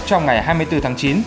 trong ngày hai mươi bốn tháng chín